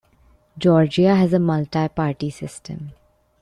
Georgia has a multi-party system.